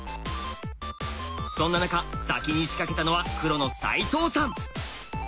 そんな中先に仕掛けたのは黒の齋藤さん。